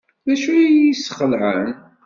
D acu ay iyi-yesxelɛen?